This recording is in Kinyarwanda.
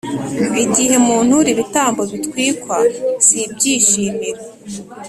igihe muntura ibitambo bitwikwa, sibyishimira